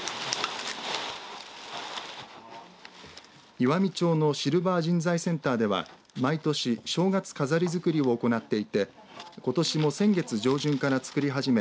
岩美町のシルバー人材センターでは毎年正月飾りづくりを行っていてことしも先月上旬から作りはじめ